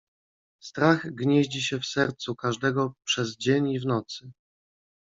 "Strach gnieździ się w sercu każdego przez dzień i w nocy."